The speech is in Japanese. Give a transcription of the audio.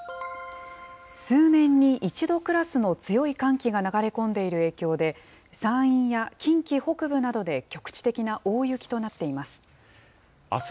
数年に一度クラスの強い寒気が流れ込んでいる影響で、山陰や近畿北部などで局地的な大雪となっています。